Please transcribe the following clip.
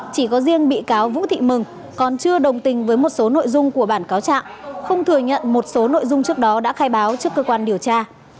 chỉ có riêng bị cáo vũ thị mừng còn chưa đồng tình với một số nội dung của bản cáo trạng không thừa nhận một số nội dung trước đó đã khai báo trước cơ quan điều tra